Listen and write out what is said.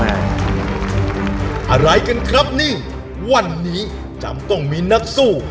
อะไรกันครับนี่วันนี้จำต้องมีนักสู้